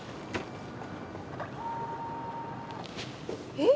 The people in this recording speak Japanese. えっ？